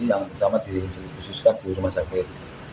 yang pertama dikhususkan di rumah sakit